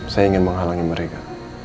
saya ingin menghalangi mereka